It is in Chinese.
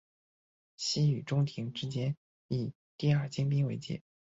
西与中延之间以第二京滨为界。